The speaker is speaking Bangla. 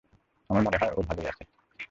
আমার মনে হয় ও ভালোই আছে।